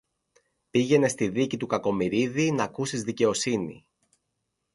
πήγαινε στη δίκη του Κακομοιρίδη, ν' ακούσεις δικαιοσύνη.